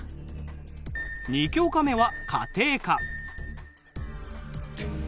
２教科目は家庭科。